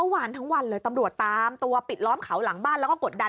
วันทั้งวันเลยตำรวจตามตัวปิดล้อมเขาหลังบ้านแล้วก็กดดัน